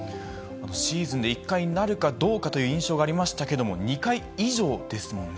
シーズンで１回になるかどうかという印象がありましたけれども、２回以上ですもんね。